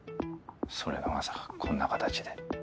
それがまさかこんな形で。